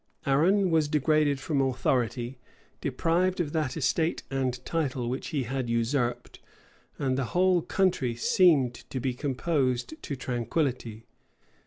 Arran was degraded from authority, deprived of that estate and title which he had usurped, and the whole country seemed to be composed to tranquillity.